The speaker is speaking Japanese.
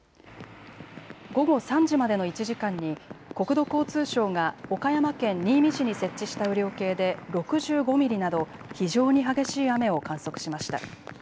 午後３時までの１時間に国土交通省が岡山県新見市に設置した雨量計で６５ミリなど非常に激しい雨を観測しました。